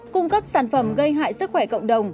cung cấp sản phẩm gây hại sức khỏe cộng đồng